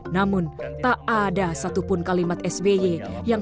namun tak ada satupun kalimat sby yang secara terang